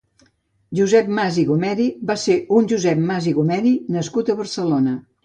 Josep Mas i Gomeri va ser un josep Mas i Gomeri nascut a Barcelona.